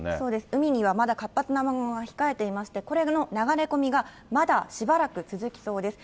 海にはまだ活発な雨雲が控えていまして、これの流れ込みがまだしばらく続きそうです。